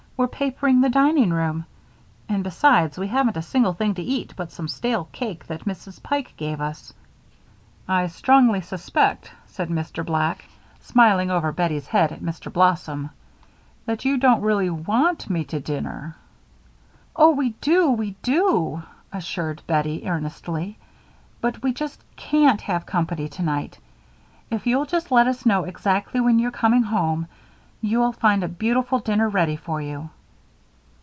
We're papering the dining room, and besides we haven't a single thing to eat but some stale cake that Mrs. Pike gave us." "I strongly suspect," said Mr. Black, smiling over Bettie's head at Mr. Blossom, "that you don't really want me to dinner." "Oh, we do, we do," assured Bettie, earnestly, "but we just can't have company tonight. If you'll just let us know exactly when you're coming home, you'll find a beautiful dinner ready for you."